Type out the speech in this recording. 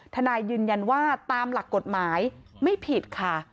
ทนายยืนยันว่าตามหลักกฎหมายไม่ผิดค่ะ